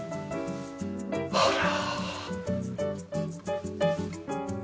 あら！